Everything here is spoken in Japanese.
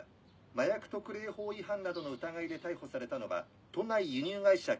麻薬特例法違反などの疑いで逮捕されたのは都内輸入会社経営